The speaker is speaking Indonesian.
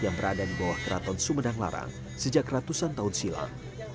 yang berada di bawah keraton sumedang larang sejak ratusan tahun silam